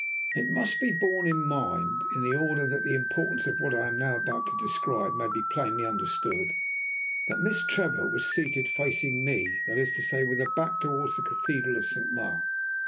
It must be borne in mind, in order that the importance of what I am now about to describe may be plainly understood, that Miss Trevor was seated facing me, that is to say, with her back towards the Cathedral of St. Mark.